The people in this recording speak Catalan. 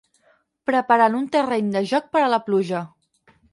Preparant un terreny de joc per a la pluja.